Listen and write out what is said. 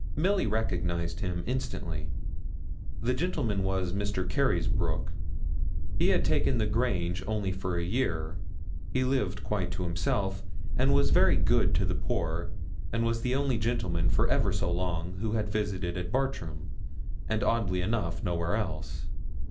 Milly recognised him instantly. The gentleman was Mr. Carysbroke. He had taken The Grange only for a year. He lived quite to himself, and was very good to the poor, and was the only gentleman, for ever so long, who had visited at Bartram, and oddly enough nowhere else.